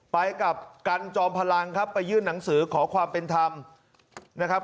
ไปกับกันจอมพลังครับไปยื่นหนังสือขอความเป็นธรรมนะครับ